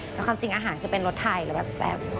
แล้วความจริงอาหารจะเป็นรสไทยและแซ่บ